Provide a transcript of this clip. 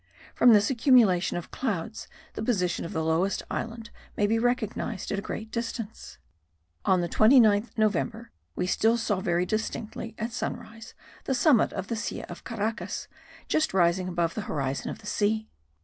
From this accumulation of clouds the position of the lowest island may be recognized at a great distance. On the 29th November we still saw very distinctly, at sunrise, the summit of the Silla of Caracas just rising above the horizon of the sea.